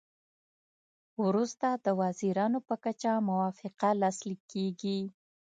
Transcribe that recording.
وروسته د وزیرانو په کچه موافقه لاسلیک کیږي